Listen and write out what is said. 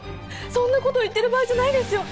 そんなこと言ってる場合じゃないですよ！